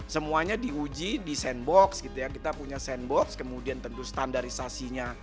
semuanya diuji di sandbox gitu ya kita punya sandbox kemudian tentu standarisasinya